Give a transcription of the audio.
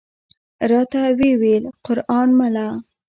راته وې ویل: قران مله!